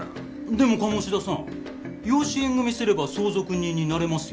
でも鴨志田さん養子縁組すれば相続人になれますよ。